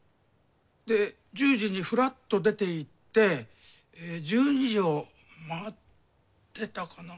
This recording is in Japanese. で１０時にふらっと出て行って１２時をまわってたかな